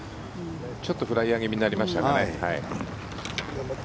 ちょっとフライヤー気味になりましたかね。